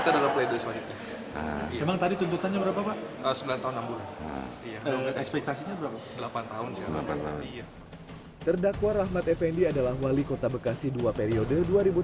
tanda tanda berapa delapan tahun delapan tahun terdakwa rahmat fnd adalah wali kota bekasi dua periode